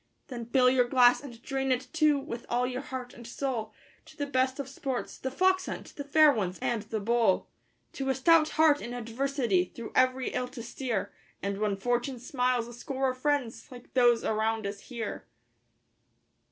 Then fill your glass, and drain it, too, with all your heart and soul, To the best of sports The Fox hunt, The Fair Ones, and The Bowl, To a stout heart in adversity through every ill to steer, And when Fortune smiles a score of friends like those around us here.